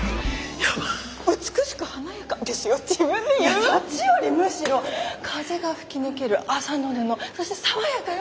いやそっちよりむしろ「風が吹き抜ける麻の布」そして爽やかよ。